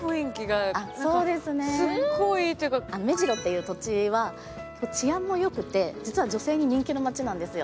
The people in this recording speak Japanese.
目白という土地は治安もよくて、実は女性に人気の街なんですよ。